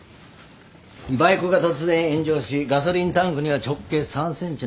バイクが突然炎上しガソリンタンクには直径３ｃｍの穴が開いてた。